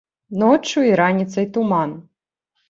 Ноччу і раніцай туман.